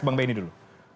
bang beni dulu